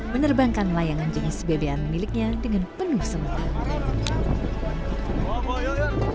menerbangkan layangan jenis bb an miliknya dengan penuh semuanya